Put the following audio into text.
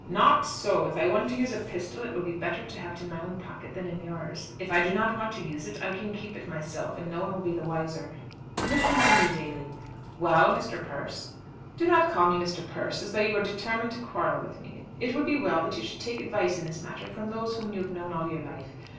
"Not so. If I want to use a pistol it will be better to have it in my own pocket than in yours. If I do not want to use it I can keep it myself, and no one will be the wiser." "Listen to me, Daly." "Well, Mr. Persse?" "Do not call me 'Mr. Persse,' as though you were determined to quarrel with me. It will be well that you should take advice in this matter from those whom you have known all your life.